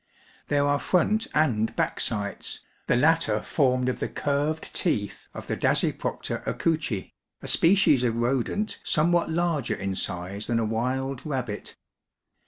There are front and back sights, the latter formed of the curved teeth of the Dcayproota aoowihij a species of rodent somewhat larger in size than a wild rabbit.